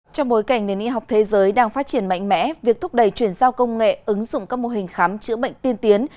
trong bối cảnh nền y học thế giới đang phát triển mạnh mẽ việc thúc đẩy chuyển giao công nghệ ứng dụng các mô hình khám chữa bệnh tiên tiến